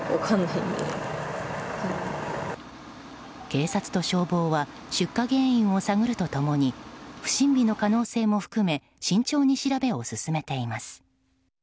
警察と消防は出火原因を探ると共に不審火の可能性も含め慎重に調べを進めています。